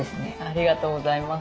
ありがとうございます。